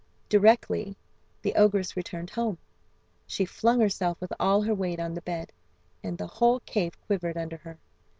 Directly the ogress returned home she flung herself with all her weight on the bed, and the whole cave quivered under her.